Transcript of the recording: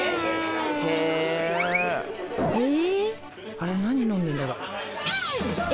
あれ何飲んでんだろう？え！